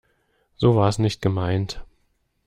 So war es nicht gemeint.